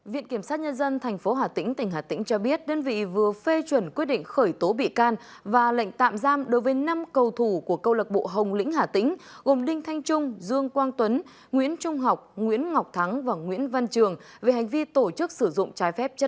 viện kiểm sát nhân dân tp hà tĩnh tỉnh hà tĩnh cho biết đơn vị vừa phê chuẩn quyết định khởi tố bị can và lệnh tạm giam đối với năm cầu thủ của câu lạc bộ hồng lĩnh hà tĩnh gồm đinh thanh trung dương quang tuấn nguyễn trung học nguyễn ngọc thắng và nguyễn văn trường về hành vi tổ chức sử dụng trái phép